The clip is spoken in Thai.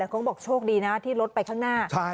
บางคนบอกโชคดีนะที่ลดไปข้างหน้า